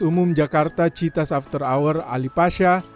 umum jakarta citas after hour alipasha